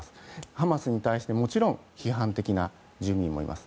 ハマスに対してもちろん批判的な住民もいます。